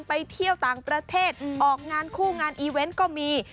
ไปเที่ยวต่างประเทศออกงานคู่งานอีเวนต์ก็มี